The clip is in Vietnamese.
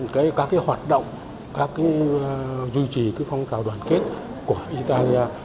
các cái hoạt động các cái duy trì cái phong trào đoàn kết của italia